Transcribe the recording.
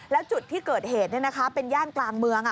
แล้วจุดที่เกิดเหตุเป็นย่านกลางเมือง